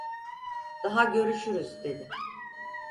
"Daha görüşürüz…" dedi.